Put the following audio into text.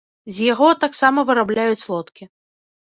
З яго таксама вырабляюць лодкі.